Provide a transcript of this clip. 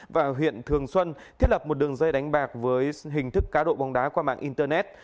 và huyện thường xuân thiết lập một đường dây đánh bạc với hình thức cá độ bóng đá qua mạng internet